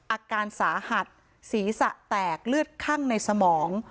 อาการสาหัสศีรษะแตกเลือดคั่งในสมอง